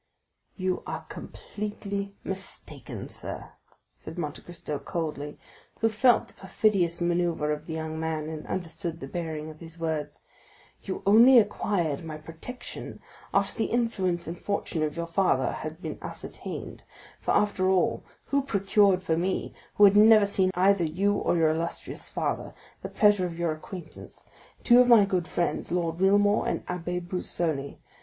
"You are completely mistaken, sir," said Monte Cristo coldly, who felt the perfidious manœuvre of the young man, and understood the bearing of his words; "you only acquired my protection after the influence and fortune of your father had been ascertained; for, after all, who procured for me, who had never seen either you or your illustrious father, the pleasure of your acquaintance?—two of my good friends, Lord Wilmore and the Abbé Busoni.